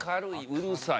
「うるさい」？